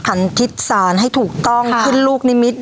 หันทิศศาลให้ถูกต้องขึ้นลูกนิมิตร